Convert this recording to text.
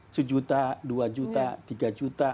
sejuta dua juta tiga juta